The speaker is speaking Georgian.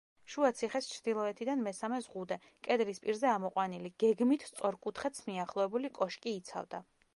შუა ციხეს ჩრდილოეთიდან მესამე ზღუდე, კედლის პირზე ამოყვანილი, გეგმით სწორკუთხედს მიახლოებული კოშკი იცავდა.